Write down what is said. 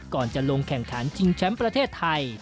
ก่อนจะลงแข่งขันชิงแชมป์ประเทศไทย